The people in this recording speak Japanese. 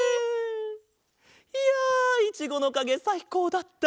いやいちごのかげさいこうだった！